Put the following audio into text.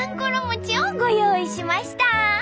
餅をご用意しました。